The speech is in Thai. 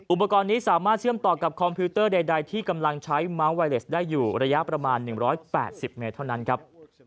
อุปกรณ์นี้สามารถเชื่อมต่อกับคอมพิวเตอร์ใดที่กำลังใช้เมาส์ไวเลสได้อยู่ระยะประมาณ๑๘๐เมตรเท่านั้นครับ